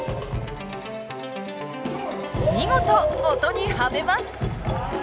見事音にハメます。